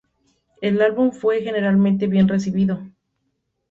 El álbum fue generalmente bien recibido.